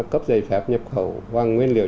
cấp giải pháp nhập khẩu vàng nguyên liệu